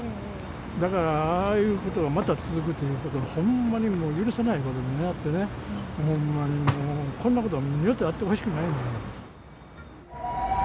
だからああいうことがまた続くということは、ほんまにもう許せないこと、狙ってね、ほんまに、こんなこと、二度とあってほしくない。